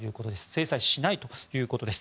制裁しないということです。